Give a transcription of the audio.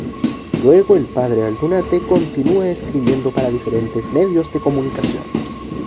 Luego el padre Aldunate continúa escribiendo para diferentes medios de comunicación.